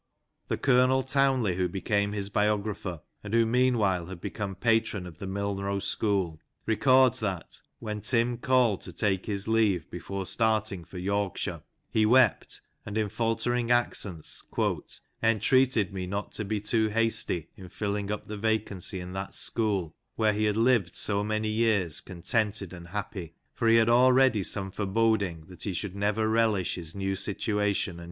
The Colonel Townley who became his biographer, and who meanwhile had become patron of the Milnrow school, records that, when Tim called to take his leave before starting for Yorkshire, he wept, and in faltering accents " entreated me not to be too hasty in filling up the vacancy in that school, where he had lived so many years contented and happy ; for he had already some foreboding that he should never relish his new JOHN COLLIER (" TIM BOBBIN^').